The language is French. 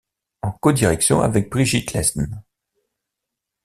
En codirection avec Brigitte Lesne.